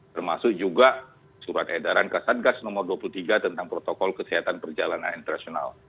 termasuk juga surat edaran kasatgas nomor dua puluh tiga tentang protokol kesehatan perjalanan internasional